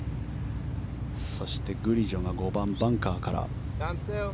そして、グリジョが５番、バンカーから。